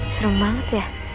serem banget ya